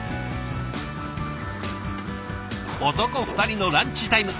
男２人のランチタイム。